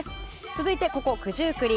続いてここ九十九里。